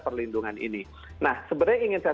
perlindungan ini nah sebenarnya ingin saya